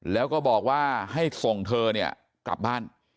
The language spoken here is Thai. แล้วก็บอกว่าให้ส่งเธอเนี่ยกลับบ้าน